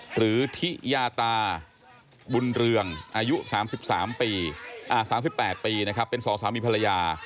หรือธิญาตาบุญเรืองอายุ๓๘ปีเป็นสองสามีภรรยา